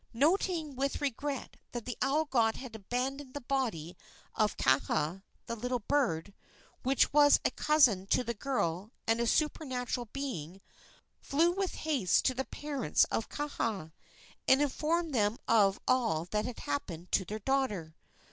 Noting with regret that the owl god had abandoned the body of Kaha, the little bird, which was a cousin to the girl and a supernatural being, flew with haste to the parents of Kaha, and informed them of all that had happened to their daughter.